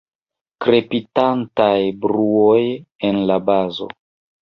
Krepitantaj bruoj en la bazo.